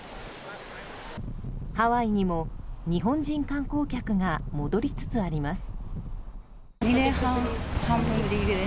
ハワイにも日本人観光客が戻りつつあります。